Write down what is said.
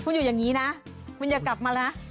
คุณอยู่อย่างนี้นะคุณอย่ากลับมานะ